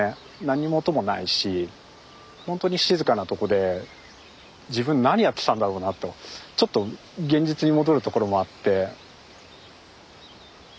何も音もないしほんとに静かなとこで自分何やってたんだろうなとちょっと現実に戻るところもあって。